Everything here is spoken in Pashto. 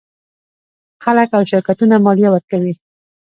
خلک او شرکتونه مالیه ورکوي.